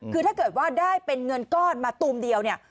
คือถ้าเกิดว่าได้เป็นเงินก้อนมาตูมเดียวเนี่ย